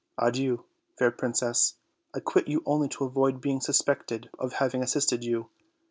Adieu, fair princess; I quit you only to avoid being sus pected of having assisted you.